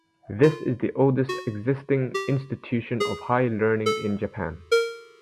This is the oldest existing institution of higher learning in Japan.